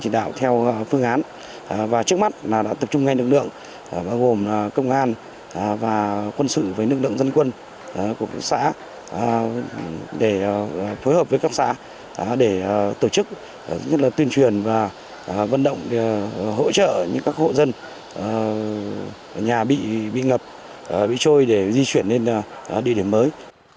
để tổ chức tuyên truyền và vận động hỗ trợ những các hộ dân nhà bị ngập bị trôi để di chuyển lên địa điểm mới